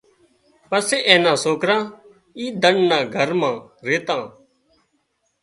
پسي اين نا سوڪرا اي ڌنَ نا گھر مان ريتا